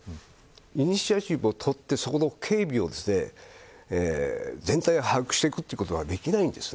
イニシアチブを取ってそこの警備を全体を把握していくことはできないんです。